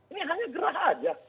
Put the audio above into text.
ini hanya gerah aja